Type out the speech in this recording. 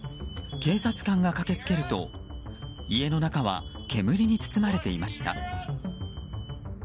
警察官が駆けつけると家の中は煙に包まれていました。